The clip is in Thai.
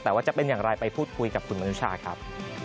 แต่ว่าจะเป็นอย่างไรไปพูดคุยกับคุณมนุชาครับ